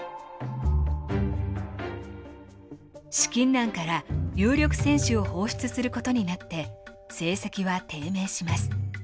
資金難から有力選手を放出することになって成績は低迷します。